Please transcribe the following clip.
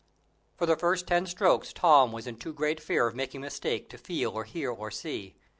For the first ten strokes Tom was in too great fear of making a mistake to feel or hear or see.